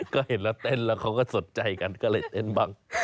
ก็เห็นแล้วเต้นแล้วเขาก็สนใจกันก็เลยเต้นบ้าง